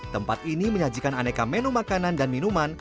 tempat ini menyajikan aneka menu makanan dan minuman